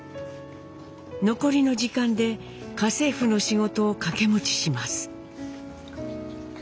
残りの時間で家政婦の仕事を掛け持ちします。